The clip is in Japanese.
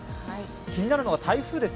気になるのが台風です